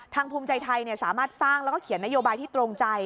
ภูมิใจไทยสามารถสร้างแล้วก็เขียนนโยบายที่ตรงใจ